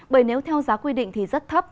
bởi nếu theo giá quy định thì rất thấp